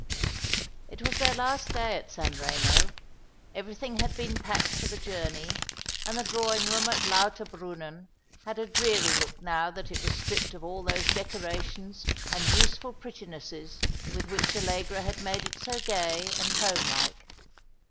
It was their last day at San Remo. Everything had been packed for the journey, and the drawing room at Lauter Brunnen had a dreary look now that it was stripped of all those decorations and useful prettinesses with which Allegra had made it so gay and home like.